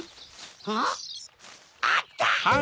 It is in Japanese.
あっ？あった！